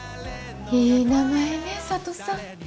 いい名前ね佐都さん。